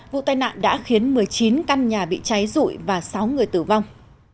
vụ tai nạn đã khiến một mươi chín căn nhà bị cháy rụi và sáu người tử vong